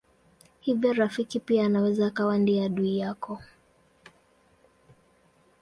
Hivyo rafiki pia anaweza akawa ndiye adui wako.